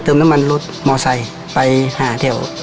เติมน้ำมันรถมอไซไปหาแถว